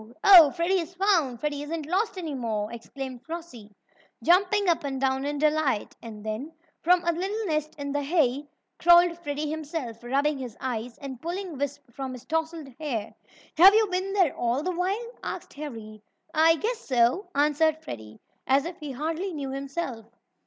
"Oh, Freddie is found! Freddie isn't lost any more!" exclaimed Flossie, jumping up and down in delight. And then, from a little nest in the hay, crawled Freddie himself, rubbing his eyes, and pulling wisps from his tousled hair. "Have you been there all the while?" asked Harry. "I I guess so," answered Freddie, as if he hardly knew himself.